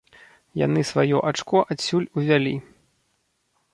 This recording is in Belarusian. Яны сваё ачко адсюль увялі.